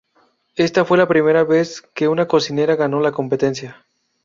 Esta fue la primera vez que una cocinera ganó la competencia.